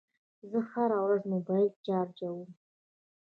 زه هره ورځ موبایل چارجوم.